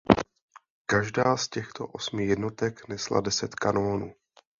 Každá z těchto osmi jednotek nesla deset kanónů.